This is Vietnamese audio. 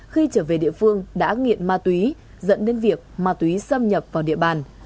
khi trở về địa phương đã nghiện ma túy dẫn đến việc ma túy xâm nhập vào địa bàn